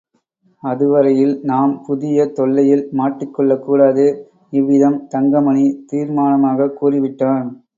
அதுவரையில் நாம் புதிய தொல்லையில் மாட்டிக்கொள்ளக் கூடாது. இவ்விதம் தங்கமணி தீர்மானமாகக் கூறிவிட்டான்.